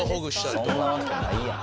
そんなわけないやん。